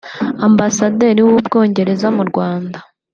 Ambasaderi w’u Bwongereza mu Rwanda